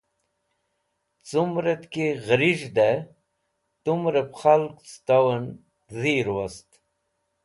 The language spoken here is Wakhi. Cumrẽt ki gheriz̃hdẽ tumrẽb khalg cẽton dhir wost.